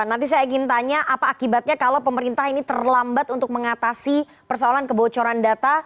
nanti saya ingin tanya apa akibatnya kalau pemerintah ini terlambat untuk mengatasi persoalan kebocoran data